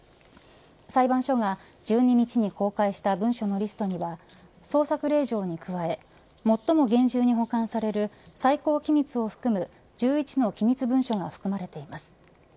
裁判所が１２日に公開した文書のリストには捜索令状に加え最も厳重に保管される最高機密を含む１１の機密文書が含まれています。